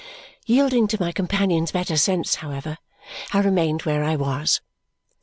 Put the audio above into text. Yielding to my companion's better sense, however, I remained where I was.